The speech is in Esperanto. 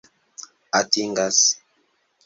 atingas